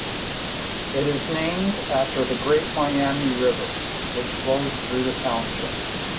It is named after the Great Miami River, which flows through the township.